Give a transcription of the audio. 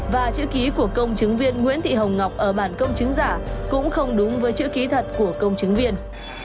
và chữ ký của công chứng viên nguyễn thị hồng ngọc ở bản công chứng giả cũng không đúng với chữ ký thật của công chứng viên